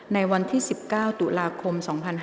ในวันที่๑๙ตุลาคม๒๕๕๙